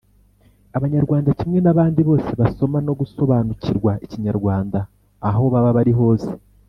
Abanyarwanda kimwe n’abandi bose basoma no gusobanukirwa Ikinyarwanda aho baba bari hose.